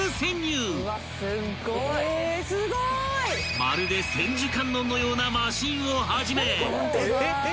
［まるで千手観音のようなマシンをはじめ］